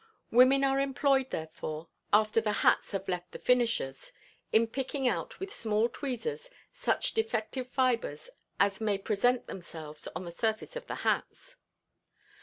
Women are employed, therefore, after the hats have left the "finishers," in picking out with small tweezers such defective fibers as may present themselves on the surface of the hats.